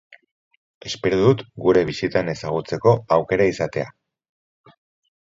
Espero dut gure bisitan ezagutzeko aukera izatea.